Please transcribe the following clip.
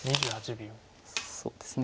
そうですね。